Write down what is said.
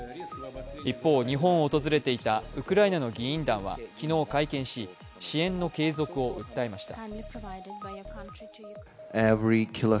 一方、日本を訪れていたウクライナの議員団は昨日会見し、支援の継続を訴えました。